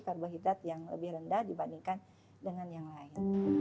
karbohidrat yang lebih rendah dibandingkan dengan yang lain